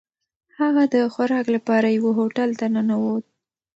هغه د خوراک لپاره یوه هوټل ته ننووت.